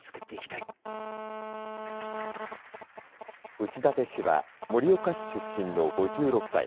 内舘氏は盛岡市出身の５６歳。